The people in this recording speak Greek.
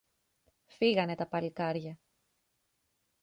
φύγανε τα παλικάρια